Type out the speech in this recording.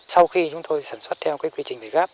sau khi chúng tôi sản xuất theo quy trình việt gáp